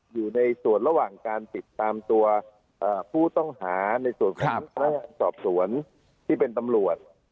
อยู่ในส่วนระหว่างการติดตามตัวผู้ต้องหาในส่วนของพนักงานสอบสวนที่เป็นตำรวจ